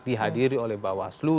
dihadiri oleh bawaslu